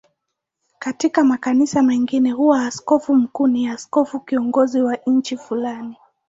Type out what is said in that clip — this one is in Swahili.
Katika makanisa mengine huwa askofu mkuu ni askofu kiongozi wa nchi fulani.